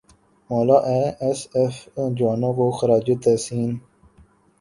مولا A S F جوانوں کو خراج تحسین